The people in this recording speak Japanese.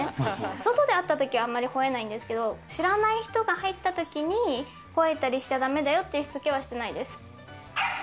外で会った時、あまり吠えないんですけど、知らないとが入ったときに吠えたりしちゃだめだよっていうしつけはしてないです。